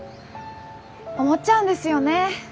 思っちゃうんですよね。